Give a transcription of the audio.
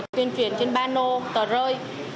tuyên truyền trên bà nô tờ rơi